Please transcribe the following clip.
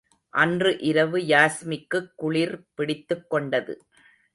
அன்று இரவு யாஸ்மிக்குக் குளிர் பிடித்துக் கொண்டது.